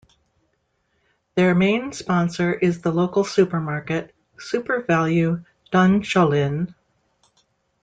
Their main sponsor is the local supermarket, SuperValu Dunshaughlin.